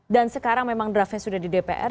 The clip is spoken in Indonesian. dan sekarang memang draftnya sudah di dpr